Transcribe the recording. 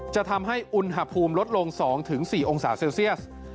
จะทำให้อุณหภูมิลดลง๒๔องศาเซลเซียส